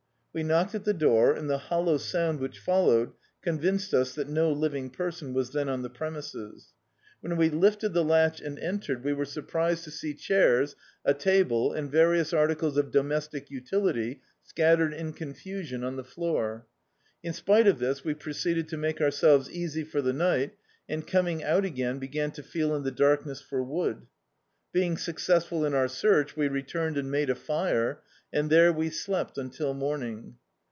We knocked at the door, and the hollow sound which followed convinced us that no living person was then on the premises. When we lifted the latch D,i.,,db, Google Manhood and entered we were surprised to see chairs, a table and various articles of domestic utility scattered in ctmfusitm on the floor. In spite of this we pro ceeded to make ourselves easy for the ni^t, and coming out again began to feel in the darkness for wood Being successful in our search we returned and made a fire, and there we slept until morning.